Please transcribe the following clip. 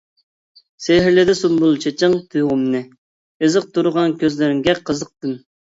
سېھىرلىدى سۇمبۇل چېچىڭ تۇيغۇمنى، ئېزىقتۇرغان كۆزلىرىڭگە قىزىقتىم.